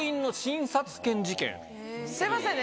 すいませんね